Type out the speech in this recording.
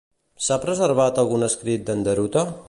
S'ha preservat algun escrit d'Endaruta?